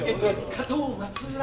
加藤松浦